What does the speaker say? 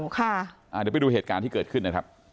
เดี๋ยวไปดูเหตุการณ์ที่เกิดขึ้นนะครับ